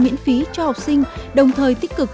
miễn phí cho học sinh đồng thời tích cực